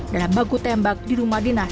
dalam bangku tembak di rumah dinas udn tiga